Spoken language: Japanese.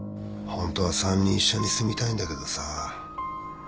ホントは３人一緒に住みたいんだけどさぁ